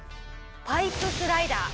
パイプスライダー。